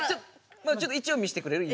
ちょっと一応見してくれる？